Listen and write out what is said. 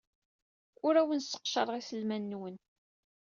Ur awen-sseqcareɣ iselman-nwen.